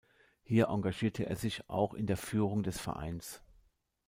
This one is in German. Hier engagierte er sich auch in der Führung des Vereins.